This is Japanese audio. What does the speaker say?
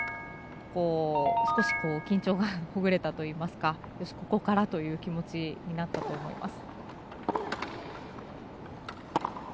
少し緊張がほぐれたといいますかここからという気持ちになったと思います。